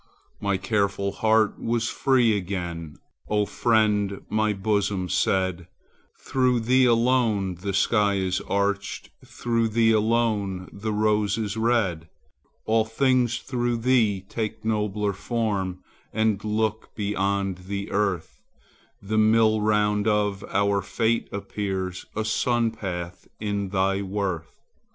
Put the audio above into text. My careful heart was free again,— O friend, my bosom said, Through thee alone the sky is arched, Through thee the rose is red, All things through thee take nobler form And look beyond the earth, The mill round of our fate appears A sun path in thy worth.